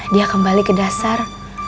dia kembali ke dasar